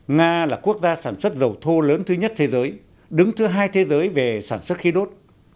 nga là quốc gia sản xuất dầu thô lớn thứ nhất thế giới đứng thứ hai thế giới về sản xuất khí đốt